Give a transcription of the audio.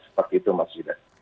seperti itu mas jidat